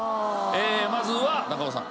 まずは中尾さん。